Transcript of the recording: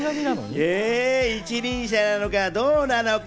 一輪車なのかどうなのか。